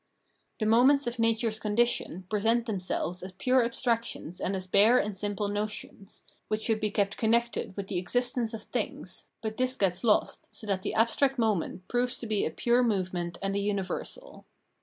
The moments of natm es' condition present themselves as pure abstractions and as bare and simple notions, which should be kept con nected with the existence of things, but this gets lost, so that the abstract moment proves to be a pure movement and a universal.